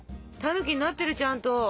たぬきになってるちゃんと。